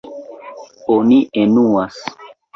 Oni enuas.